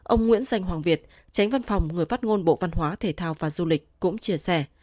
ông nguyễn danh hoàng việt tránh văn phòng người phát ngôn bộ văn hóa thể thao và du lịch cũng chia sẻ